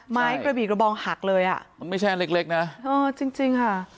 กระบี่กระบองหักเลยอ่ะมันไม่ใช่เล็กเล็กนะเออจริงจริงค่ะ